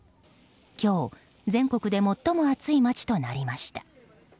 今日、全国で最も暑い町となりました。